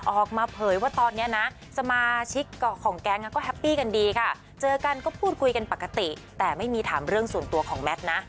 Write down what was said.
ออกมาเผยว่าตอนนี้นะสมาชิกของแก๊งก็แฮปปี้กันดีค่ะเจอกันก็พูดคุยกันปกติแต่ไม่มีถามเรื่องส่วนตัวของแมทนะ